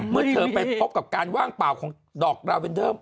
เมื่อเธอไปพบกับการว่างเปล่าของดอกลาเวนเดอร์